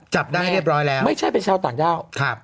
จับได้เรียบร้อยแล้วไม่ใช่เป็นชาวต่างด้าว